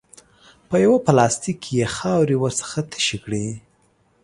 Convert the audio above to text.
په یوه پلاستیک کې یې خاورې ورڅخه تشې کړې.